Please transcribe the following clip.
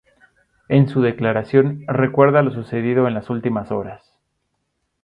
En su declaración recuerda lo sucedido en las últimas horas.